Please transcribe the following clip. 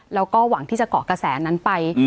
แล้วก็หวังที่จะเกาะกระแสนั้นไป